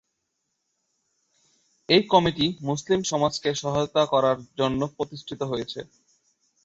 এই কমিটি মুসলিম সমাজকে সহায়তা করার জন্য প্রতিষ্ঠিত হয়েছে।